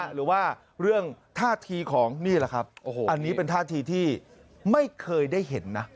หรือว่าเรื่องท่าทีของนี่แหละครับอันนี้เป็นท่าทีที่ไม่เคยได้เห็นนะ